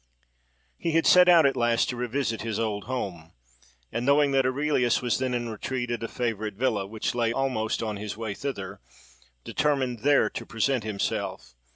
He had set out at last to revisit his old home; and knowing that Aurelius was then in retreat at a favourite villa, which lay almost on his way thither, determined there to present himself.